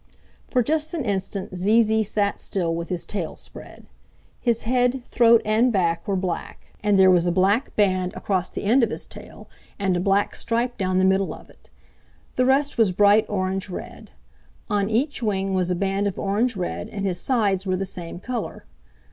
For just an instant Zee Zee sat still with his tail spread. His head, throat and back were black and there was a black band across the end of his tail and a black stripe down the middle of it. The rest was bright orange red. On each wing was a band of orange red and his sides were the same color.